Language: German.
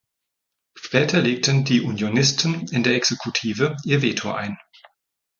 Später legten die Unionisten in der Exekutive ihr Veto ein.